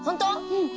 うん。